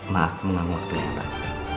maaf menganggung waktunya pak